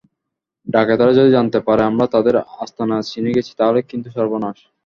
ডাকাতেরা যদি জানতে পারে আমরা তাদের আস্তানা চিনে গেছি, তাহলে কিন্তু সর্বনাশ।